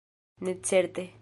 Ne certe.